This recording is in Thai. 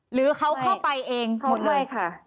หรือเขาเข้าไปเองหมดเลยค่ะ